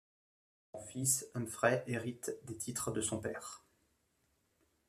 Son fils Humphrey hérite des titres de son père.